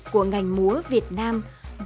của ngành múa việt nam